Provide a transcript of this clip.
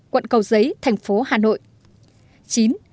quận cầu giấy tp hcm